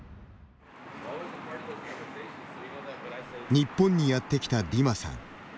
日本にやってきたディマさん。